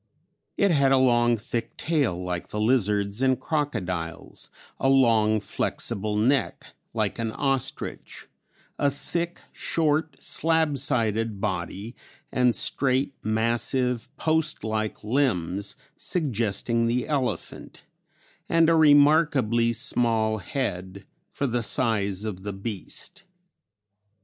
It had a long thick tail like the lizards and crocodiles, a long, flexible neck like an ostrich, a thick short, slab sided body and straight, massive, post like limbs suggesting the elephant, and a remarkably small head for the size of the beast.